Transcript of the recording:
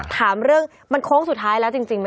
ถามเรื่องมันโค้งสุดท้ายแล้วจริงไหม